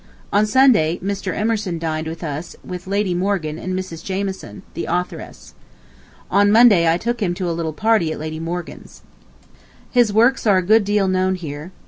... On Sunday Mr. Emerson dined with us with Lady Morgan and Mrs. Jameson—the authoress. On Monday I took him to a little party at Lady Morgan's. His works are a good deal known here.